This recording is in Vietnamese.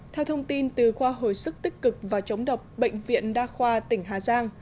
theo thông tin từ khoa hồi sức tích cực và chống độc bệnh viện đa khoa tỉnh hà giang